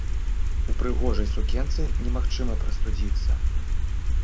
У прыгожай сукенцы немагчыма прастудзіцца.